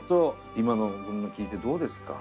今の聞いてどうですか？